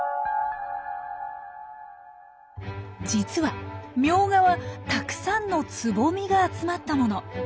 実はミョウガはたくさんのつぼみが集まったもの。